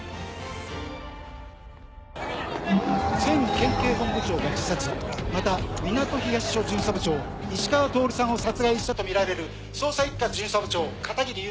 県警本部長が自殺また港東署巡査部長石川透さんを殺害したとみられる捜査一課巡査部長片桐優